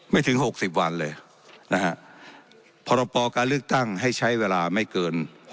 ถึง๖๐วันเลยนะฮะพรปการเลือกตั้งให้ใช้เวลาไม่เกิน